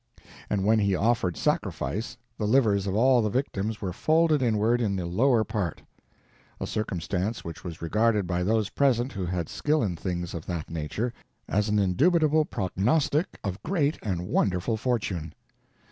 And when he offered sacrifice, the livers of all the victims were folded inward in the lower part; a circumstance which was regarded by those present who had skill in things of that nature, as an indubitable prognostic of great and wonderful fortune.